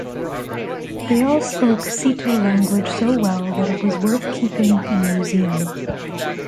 They all spoke Seto language so well that it was worth keeping in museum.